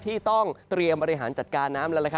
ที่ต้องเตรียมบริหารจัดการน้ำแล้ว